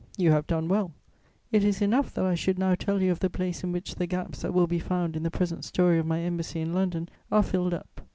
You have done well. It is enough that I should now tell you of the place in which the gaps that will be found in the present story of my embassy in London are filled up.